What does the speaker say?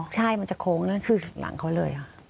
ใช่มันจะโค้งคือหลังเขาเลย